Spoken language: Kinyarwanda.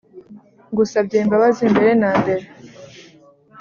ngusabye imbabazi mbere nambere